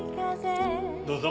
どうぞ。